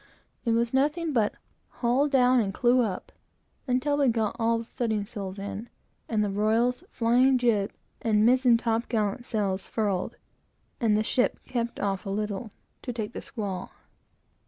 It was nothing but "haul down and clew up," until we got all the studding sails in, and the royals, flying jib, and mizen top gallant sail furled, and the ship kept off a little, to take the squall.